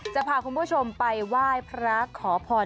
จะพาคุณผู้ชมไปไหว้พระขอพร